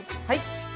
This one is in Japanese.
はい！